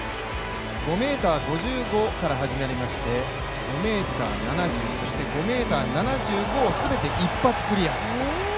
５ｍ５５から始まりまして、５ｍ７０そして５ｍ７５を全て一発クリア。